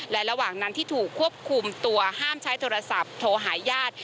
และระหว่างนั้นที่ถูกควบคุมตัวห้ามใช้โทรศัพท์โทรหาญาติ